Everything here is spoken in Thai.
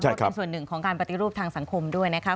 ก็เป็นส่วนหนึ่งของการปฏิรูปทางสังคมด้วยนะคะ